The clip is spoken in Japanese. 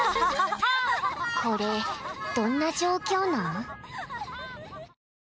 これどんな状況なん？